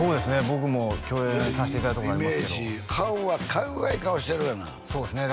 僕も共演させていただいたことありますけど顔はかわいい顔してるがなそうですね